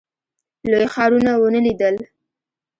لوی ښارونه ونه لیدل.